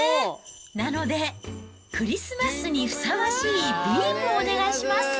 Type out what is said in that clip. なので、クリスマスにふさわしいビームをお願いします。